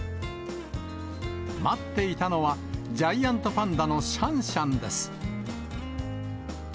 待っていたのは、ジャイアントパンダのシャンシャンです。